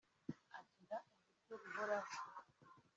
agira ibiryo bihoraho